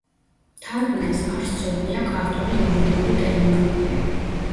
მთარგმნელს არ სცოდნია ქართული იურიდიული ტერმინოლოგია.